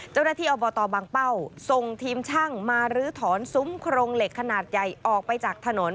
เจ้าหน้าที่อบตบางเป้าส่งทีมช่างมาลื้อถอนซุ้มโครงเหล็กขนาดใหญ่ออกไปจากถนน